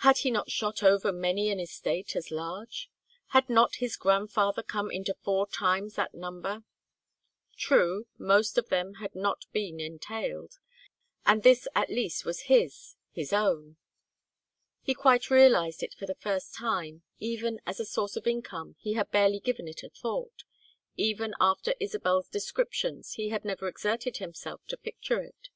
Had he not shot over many an estate as large? Had not his grandfather come into four times that number? True, most of them had not been entailed, and this at least was his, his own. He quite realized it for the first time; even as a source of income he had barely given it a thought; even after Isabel's descriptions he had never exerted himself to picture it.